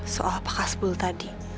soal apa kasbul tadi